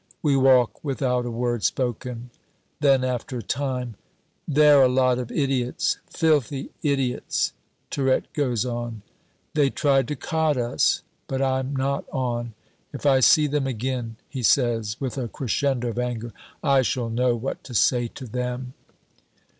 We walk without a word spoken. Then, after a time, "They're a lot of idiots, filthy idiots," Tirette goes on; "they tried to cod us, but I'm not on; if I see them again," he says, with a crescendo of anger, "I shall know what to say to them!"